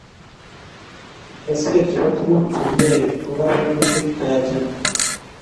Keswek chebo tuguk chekiyoe ko kabwatutik cheyachen